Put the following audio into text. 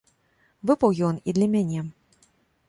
Выпаў ён і для мяне.